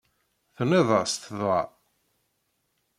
Tenniḍ-as-t dɣa?